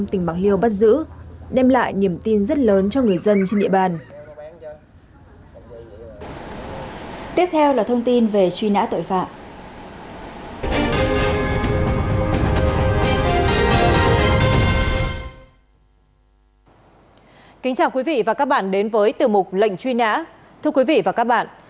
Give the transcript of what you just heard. tiếp theo là thông tin về truy nã tội phạm